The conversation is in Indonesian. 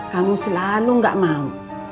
kamu selalu nggak mau